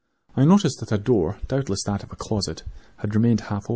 I noticed that a door, probably that of a closet, had remained ajar.